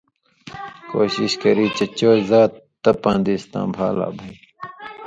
کوشش کری چے چو زات تپاں دېس تاں بھا لا بھئ۔